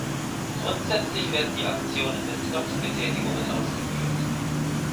Grundsätzlich werden die Aktionen mit Knopfbetätigungen ausgeführt.